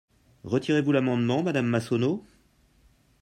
Retirez-vous l’amendement, madame Massonneau?